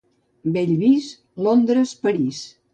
Bellvís, Londres, París.